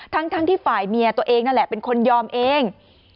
ทั้งที่ฝ่ายเมียตัวเองนั่นแหละเป็นคนยอมเอง